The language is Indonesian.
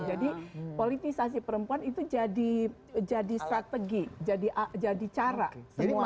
jadi politisasi perempuan itu jadi strategi jadi cara semua